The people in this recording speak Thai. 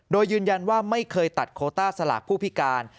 โดยยืนยันว่าไม่เคยตัดโคต้าสลากผู้พิการ